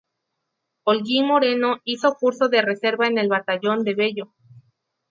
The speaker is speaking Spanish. Holguín Moreno hizo curso de reserva en el Batallón de Bello.